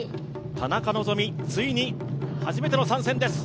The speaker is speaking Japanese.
田中希実、ついに初めての参戦です。